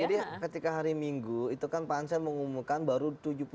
jadi ketika hari minggu itu kan pak hansen mengumumkan baru tujuh puluh dua